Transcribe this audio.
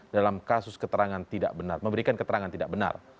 dalam kasus keterangan tidak benar memberikan keterangan tidak benar